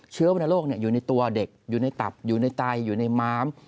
เชื้อวันทะโลกอยู่ในตัวเด็กอยู่ในตับอยู่ในไตอยู่ในมาม